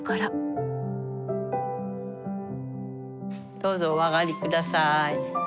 どうぞお上がり下さい。